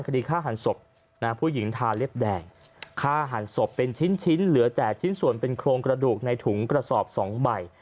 คดีฆ่าหันศพผู้หญิงทาเล็บแดงฆ่าหันศพเป็นชิ้นเหลือแต่ชิ้นส่วนเป็นโครงกระดูกในถุงกระสอบ๒ใบ